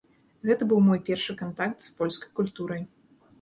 Гэта быў мой першы кантакт з полькай культурай.